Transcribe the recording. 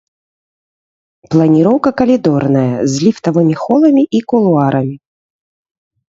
Планіроўка калідорная, з ліфтавымі холамі і кулуарамі.